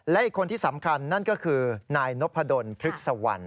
และอีกคนที่สำคัญนั่นก็คือนายนพดลพฤกษวรรณ